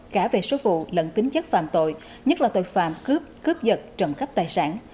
cả về số vụ lận kính chất phạm tội nhất là tội phạm cướp cướp giật trận khắp tài sản